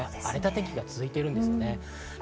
荒れた天気が続いているんです。